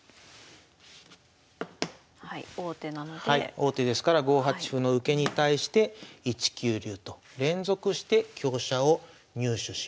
王手ですから５八歩の受けに対して１九竜と連続して香車を入手しました。